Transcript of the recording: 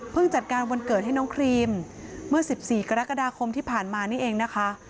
จัดการวันเกิดให้น้องครีมเมื่อ๑๔กรกฎาคมที่ผ่านมานี่เองนะคะ